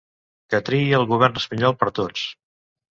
Que triï el govern espanyol per tots.